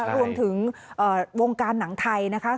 รวมถึงวงการหนังไทยนะคะ